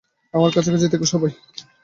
আমার কাছাকাছি থেকো সবাই।